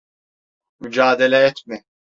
Mücadele etme.